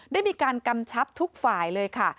ได้มีการกำชับทุกฝ่ายเลยค่ะ